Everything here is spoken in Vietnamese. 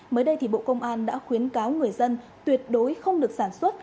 mới đây thì bộ công an đã khuyến cáo người dân tuyệt đối không được sản xuất